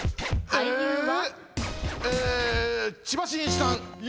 俳優は？